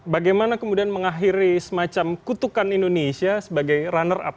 bagaimana kemudian mengakhiri semacam kutukan indonesia sebagai runner up